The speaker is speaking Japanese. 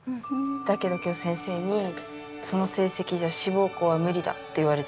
だけど今日先生にその成績じゃ志望校は無理だって言われちゃったよ。